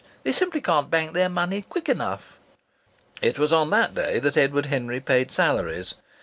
They simply can't bank their money quick enough." It was on that day that Edward Henry paid salaries.